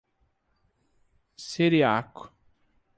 Ciríaco